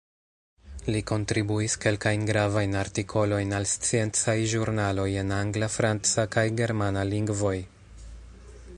Li kontribuis kelkajn gravajn artikolojn al sciencaj ĵurnaloj en angla, franca kaj germana lingvoj.